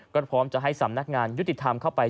ก็พร้อมจะให้สำนักงานยุติธรรมเข้าไป